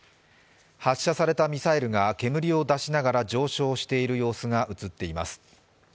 発射されたミサイルが煙を出しながら上昇している様子が映っています。